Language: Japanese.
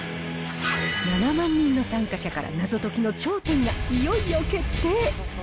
７万人の参加者から謎解きの頂点がいよいよ決定。